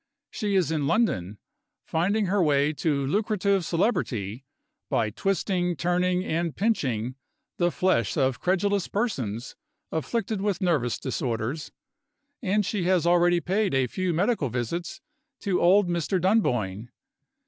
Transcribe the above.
She is in London, finding her way to lucrative celebrity by twisting, turning, and pinching the flesh of credulous persons, afflicted with nervous disorders; and she has already paid a few medical visits to old Mr. Dunboyne.